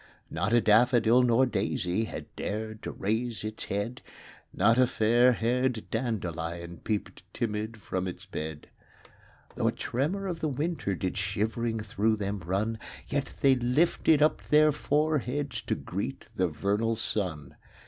Not a daffodil nor daisy Had dared to raise its head; Not a fairhaired dandelion Peeped timid from its bed; THE CROCUSES. 5 Though a tremor of the winter Did shivering through them run; Yet they lifted up their foreheads To greet the vernal sun.